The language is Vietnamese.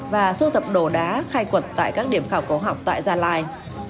và sưu tập đồ đá khai quật tại các điểm khảo cổ học tại gia lai